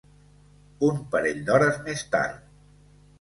Un parell d'hores més tard.